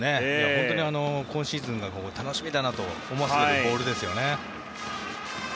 本当に、今シーズンが楽しみだなと思わせてくれるボールですね。